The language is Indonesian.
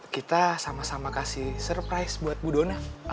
kita sama sama kasih surprise buat bu dona